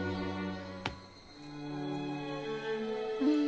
うん。